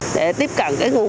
để tiếp cận cái nguồn